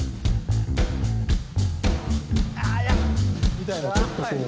みたいなちょっとこう。